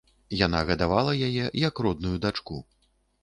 Яна гадавала яе як родную дачку.